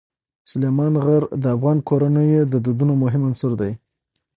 سلیمان غر د افغان کورنیو د دودونو مهم عنصر دی.